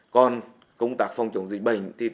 còn công tác phòng trồng dịch bệnh